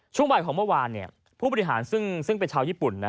ช่วงบ่ายของเมื่อวานผู้บริหารซึ่งเป็นชาวญี่ปุ่นนะ